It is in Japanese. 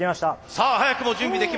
さあ早くも準備できました。